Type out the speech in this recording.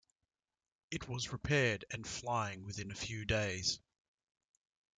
It was repaired and flying within a few days.